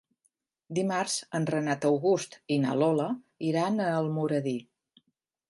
Dimarts en Renat August i na Lola iran a Almoradí.